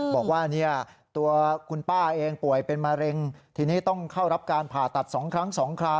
บอกว่าตัวคุณป้าเองป่วยเป็นมะเร็งทีนี้ต้องเข้ารับการผ่าตัด๒ครั้ง๒คราว